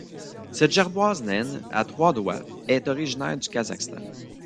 Cette gerboise naine à trois doigts est originaire du Kazakhstan.